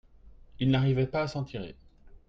il n'arrivait pas à s'en tirer.